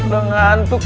udah ngantuk fak